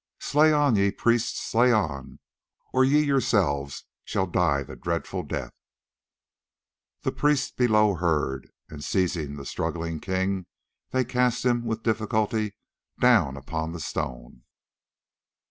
Slay on, ye priests, slay on, or ye yourselves shall die the dreadful death." The priests below heard, and seizing the struggling king they cast him with difficulty down upon the stone.